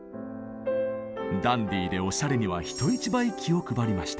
ダンディーでおしゃれには人一倍気を配りました。